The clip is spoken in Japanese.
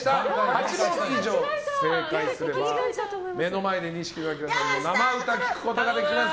８問以上正解すれば目の前で錦野旦さんの生歌を聴くことができます。